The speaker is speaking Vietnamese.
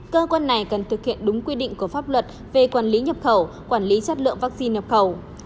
cơ quan này cần thực hiện đúng quy định của pháp luật về quản lý nhập khẩu quản lý chất lượng vaccine nhập khẩu